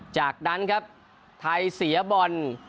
จากนั้นครับไทยเสียบอล